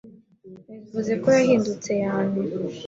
ivuze ko wahindutse yane